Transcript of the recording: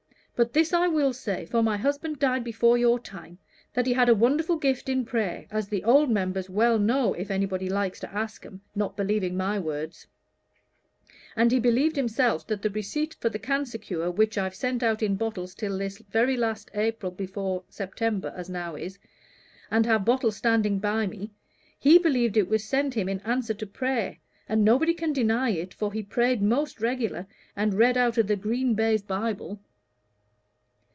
But this I will say, for my husband died before your time, that he had a wonderful gift in prayer, as the old members well know, if anybody likes to ask 'em, not believing my words, and he believed himself that the receipt for the Cancer Cure, which I've sent out in bottles till this very last April before September as now is, and have bottles standing by me he believed it was sent to him in answer to prayer; and nobody can deny it, for he prayed most regular, and read out of the green baize Bible."